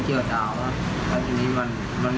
เคยรู้จักกันมาก่อนไหม